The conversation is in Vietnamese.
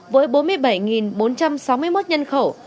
với bốn mươi bảy bốn trăm sáu mươi một nhân khẩu